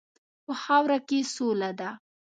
په خاوره کې سوله ده.